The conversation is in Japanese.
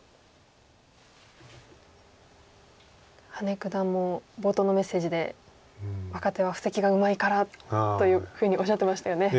羽根九段も冒頭のメッセージで若手は布石がうまいからというふうにおっしゃってましたよね。